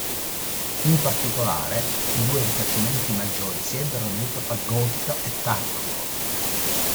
In particolare i due rifacimenti maggiori si ebbero in epoca gotica e tardo-gotica.